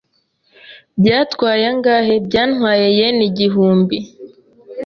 "Byatwaye angahe?" "Byantwaye yen igihumbi."